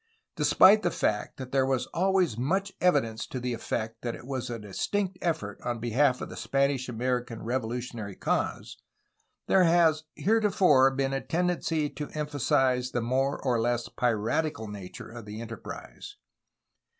Despite the fact that there was always much evidence to the effect that it was a distinct effort on behaff of the Spanish American revolu tionary cause, there has heretofore been a tendency to em phasize the more or less piratical nature of the enterprise.